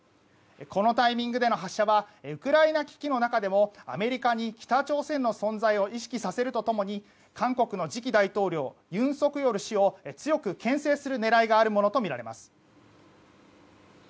このタイミングでの発射はウクライナ危機の中でもアメリカに北朝鮮の存在を意識させると共に韓国の次期大統領尹錫悦氏を強く牽制する狙いがあるものとみられます。